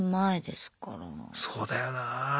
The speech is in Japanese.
そうだよな。